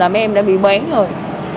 mấy em đã bị bán rồi